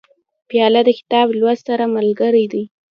پیاله د کتاب لوست سره ملګرې ده.